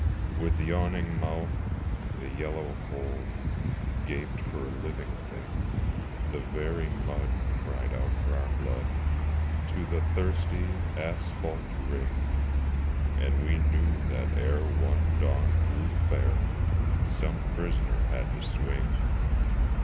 With yawning mouth the yellow hole Gaped for a living thing; The very mud cried out for blood To the thirsty asphalte ring: And we knew that ere one dawn grew fair Some prisoner had to swing.